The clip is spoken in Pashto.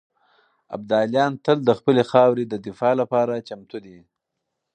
ابداليان تل د خپلې خاورې د دفاع لپاره چمتو دي.